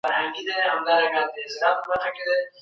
لویه جرګه د ملي پخلایني او سولي له پاره چېرته جوړیږي؟